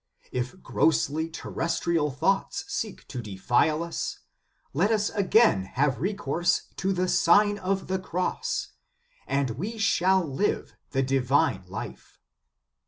"If grossly terrestrial thoughts seek to defile us, let us again have recourse to the Sign of the Cross, and we shall live the divine life."